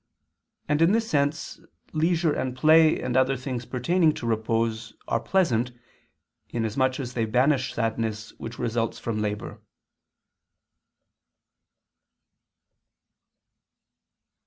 And in this sense, leisure and play and other things pertaining to repose, are pleasant, inasmuch as they banish sadness which results from labor.